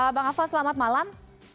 bang alfon selamat malam